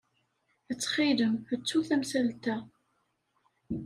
Ttxil-m, ttu tamsalt-a.